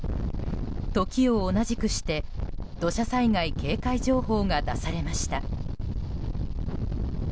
時を同じくして土砂災害警戒情報が出されました。